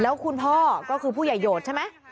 แล้วคุณพ่อก็คือผู้ใหญ่โหดใช่ไหม